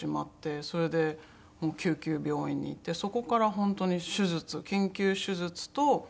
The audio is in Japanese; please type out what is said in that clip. それで救急病院に行ってそこから本当に手術緊急手術と。